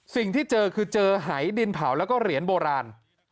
สิ่งที่เจอคือเจอหายดินเผาแล้วก็เหรียญโบราณ